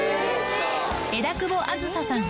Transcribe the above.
枝久保梓さん